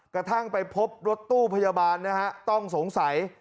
กระทั่งไปพบรถตู้พยาบาลนะฮะต้องสงสัย